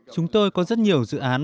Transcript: chúng tôi có rất nhiều dự án